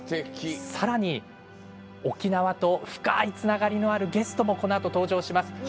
さらに沖縄と深いつながりのあるゲストも登場します。